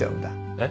えっ？